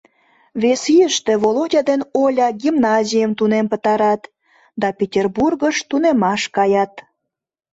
Вес ийыште Володя ден Оля гимназийым тунем пытарат да Петербургыш тунемаш каят.